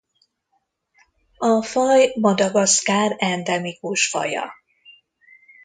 A faj Madagaszkár endemikus faja.